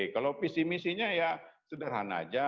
kalau visi misinya ya sederhana aja